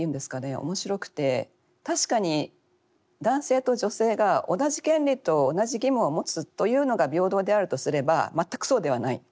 面白くて確かに男性と女性が同じ権利と同じ義務を持つというのが平等であるとすれば全くそうではない。